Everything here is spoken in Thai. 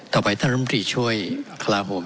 ต่อไปท่านบัวเน่นช่วยฮะลาฮอม